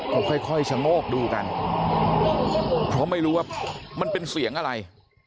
ก็ค่อยชะโงกดูกันเพราะไม่รู้ว่ามันเป็นเสียงอะไร